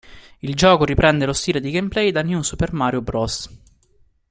Il gioco riprende lo stile di gameplay da New Super Mario Bros.